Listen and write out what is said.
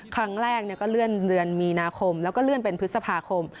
ครั้งแรกก็เลื่อนเดือนมีนาคมแล้วก็เลื่อนเป็นพฤษภาคม